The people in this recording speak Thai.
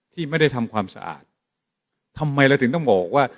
ที่ไม่ได้ทำความสะอาดทำไมเราถึงต้องบอกว่า